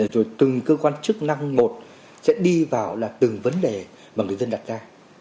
rồi từng cơ quan chức năng một sẽ đi vào là từng vấn đề mà người dân đặt ra